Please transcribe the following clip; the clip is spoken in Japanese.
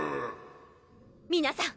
皆さん！